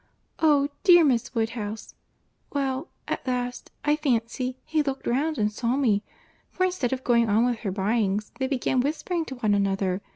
—Oh! dear, Miss Woodhouse—well, at last, I fancy, he looked round and saw me; for instead of going on with her buyings, they began whispering to one another.